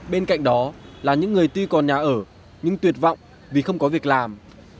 bên cạnh đó là những người tuy còn nhà ở nhưng tuyệt vọng vì không có việc làm